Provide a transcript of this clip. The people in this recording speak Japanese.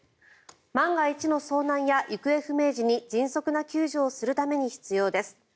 万が一の遭難や行方不明時に迅速な救助をするために必要です。